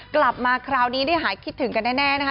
กลับมาคราวนี้ได้หายคิดถึงกันแน่นะคะ